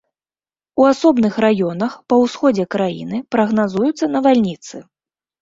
У асобных раёнах па ўсходзе краіны прагназуюцца навальніцы.